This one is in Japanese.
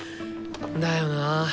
だよな。